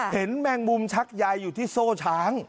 เห็นแมงมุมชักใยอยู่ที่โซ่ช้าง